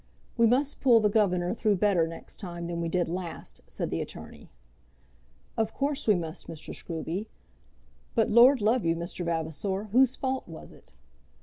"We must pull the governor through better next time than we did last," said the attorney. "Of course we must, Mr. Scruby; but, Lord love you, Mr. Vavasor, whose fault was it?